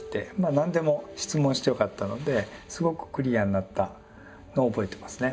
何でも質問してよかったのですごくクリアになったのを覚えてますね。